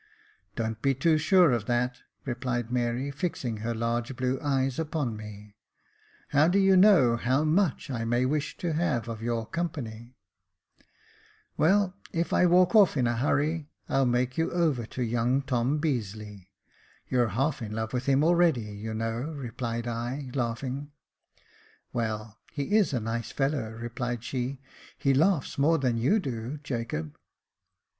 " Don't be too sure of that," replied Mary, fixing her large blue eyes upon me ;" how do you know how much I may wish to have of your company ?" "Well, if I walk off in a hurry, I'll make you over to young Tom Beazeley. You're half in love with him already, you know," replied I, laughing. "Well, he is a nice fellow," replied she; "he laughs more than you do, Jacob."